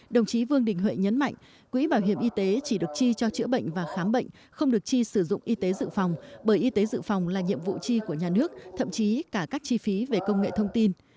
đồng chí vương đình huệ nhấn mạnh quỹ bảo hiểm y tế chỉ được chi cho chữa bệnh và khám bệnh không được chi sử dụng y tế dự phòng bởi y tế dự phòng là nhiệm vụ chi của nhà nước thậm chí cả các chi phí về công nghệ thông tin